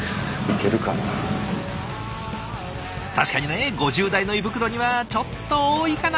確かにね５０代の胃袋にはちょっと多いかな。